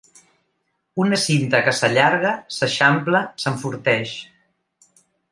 Una cinta que s'allarga, s'eixampla, s'enforteix.